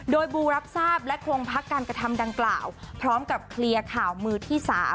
โดยบูรับทราบและคงพักการกระทำดังกล่าวพร้อมกับเคลียร์ข่าวมือที่๓